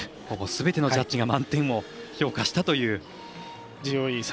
ほぼすべてのジャッジが満点の評価したという。